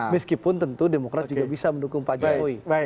meskipun tentu demokrat juga bisa mendukung pak jokowi